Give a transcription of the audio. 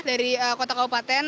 dari kota kabupaten